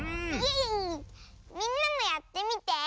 みんなもやってみて。